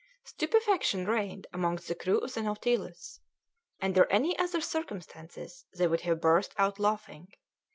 Stupefaction reigned amongst the crew of the Nautilus. Under any other circumstances they would have burst out laughing.